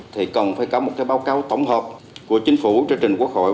thì còn phải có một cái báo cáo tổng hợp của chính phủ chương trình quốc hội